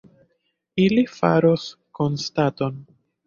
Ili faros konstaton.